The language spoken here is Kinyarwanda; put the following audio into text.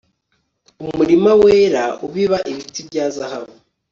ku murima wera ubiba ibiti bya zahabu